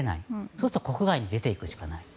そうすると国外に出ていくしかない。